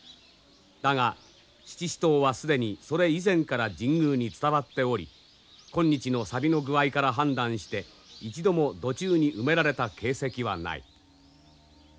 だが七支刀は既にそれ以前から神宮に伝わっており今日の錆の具合から判断して一度も土中に埋められた形跡はない。